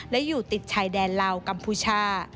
และอยู่ติดชายแดนลาวกัมพูชา